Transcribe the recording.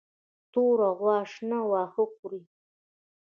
توره غوا شنه واښه خوري.